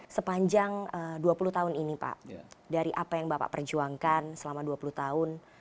sepanjang dua puluh tahun ini pak dari apa yang bapak perjuangkan selama dua puluh tahun